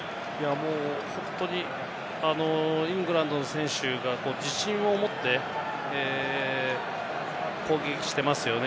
本当にイングランドの選手が自信を持って攻撃してますよね。